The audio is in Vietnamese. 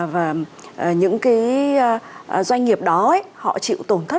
và những cái doanh nghiệp đó họ chịu tổn thất